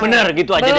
bener gitu aja deh